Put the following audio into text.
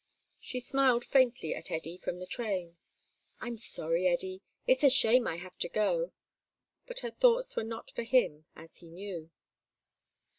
She smiled faintly at Eddy from the train. "I'm sorry, Eddy. It's a shame I have to go," but her thoughts were not for him, as he knew.